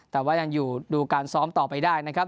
แต่ว่ายังอยู่ดูการซ้อมต่อไปได้นะครับ